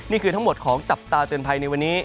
นี่คือทั้งหมดของจับตาเตือนภัยในวันนี้